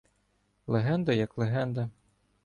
Легенда як легенда.